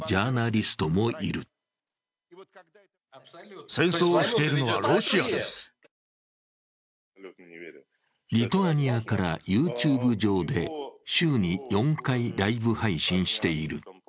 リトアニアからＹｏｕＴｕｂｅ上で週に４回ライブ配信している。